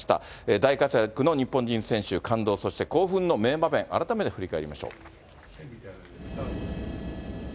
大活躍の日本人選手、感動、そして興奮の名場面、改めて振り返りましょう。